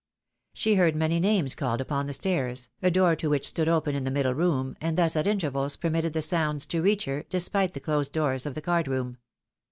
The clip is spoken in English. She heard many names called upon the stairs, a door to which stood open in the middle room, and thus at intervals permitted the sounds to reach her, despite the closed doors of the card room.